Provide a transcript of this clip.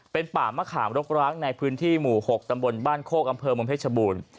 เป็นป่ามะขามรกร้างในพื้นที่หมู่๖ตำบลบ้านโคกอำเภอเมืองเพชรบูรณ์